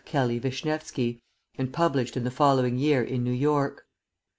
Kelley Wischnewetzky, and published in the following year in New York.